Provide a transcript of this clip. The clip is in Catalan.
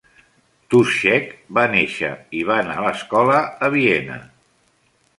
Touschek va néixer i va anar a l'escola a Viena.